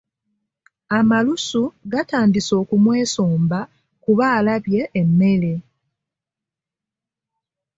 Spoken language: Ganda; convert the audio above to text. Amalusu gatandise okumwesomba kuba alabye emmere.